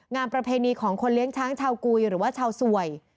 ประเพณีของคนเลี้ยงช้างชาวกุยหรือว่าชาวสวย